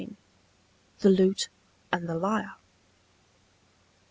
THE LUTE AND THE LYRE.